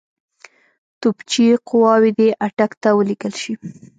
توپچي قواوې دي اټک ته ولېږل شي.